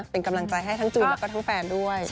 เป็นกำลังใจให้ทั้งจูนแล้วก็ทั้งแฟนด้วย